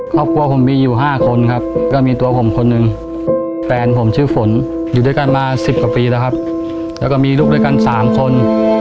ครอบครัวผมมีอยู่๕คนครับก็มีตัวผมคนหนึ่งแฟนผมชื่อฝนอยู่ด้วยกันมา๑๐กว่าปีแล้วครับแล้วก็มีลูกด้วยกัน๓คน